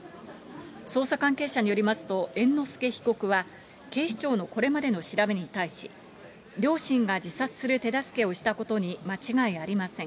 捜査関係者によりますと、猿之助被告は、警視庁のこれまでの調べに対し、両親が自殺する手助けをしたことに間違いありません。